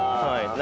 何？